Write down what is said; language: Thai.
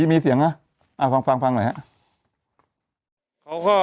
มีเสียงนะฟังฟังหน่อยฮะ